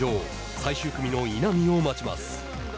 最終組の稲見を待ちます。